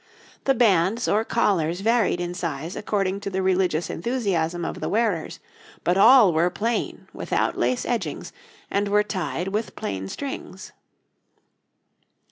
The bands or collars varied in size according to the religious enthusiasm of the wearers, but all were plain without lace edgings, and were tied with plain strings.